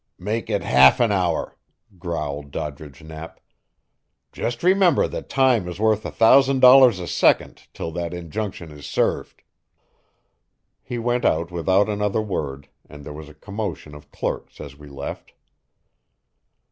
"Make it half an hour," growled Doddridge Knapp. "Just remember that time is worth a thousand dollars a second till that injunction is served." He went out without another word, and there was a commotion of clerks as we left.